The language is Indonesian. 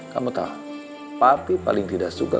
kamu tahu tapi paling tidak suka